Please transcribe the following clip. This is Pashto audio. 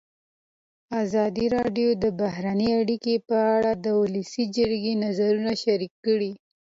ازادي راډیو د بهرنۍ اړیکې په اړه د ولسي جرګې نظرونه شریک کړي.